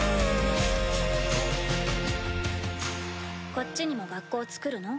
こっちにも学校つくるの？